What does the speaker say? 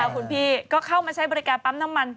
คุณพี่ก็เข้ามาใช้บริการปั๊มน้ำมัน